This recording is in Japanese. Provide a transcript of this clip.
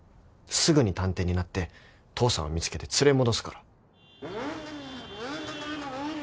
すぐに探偵になって父さんを見つけて連れ戻すから。